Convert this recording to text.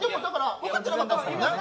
分かってなかったです。